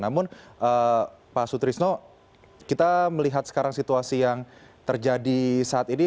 namun pak sutrisno kita melihat sekarang situasi yang terjadi saat ini